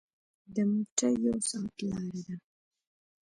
د موټر یو ساعت لاره ده.